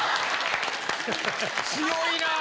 強いなぁ。